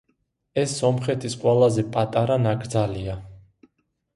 ეს სომხეთის ყველაზე პატარა ნაკრძალია.